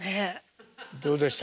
どうでした？